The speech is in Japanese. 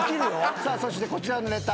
さあそしてこちらのネタ。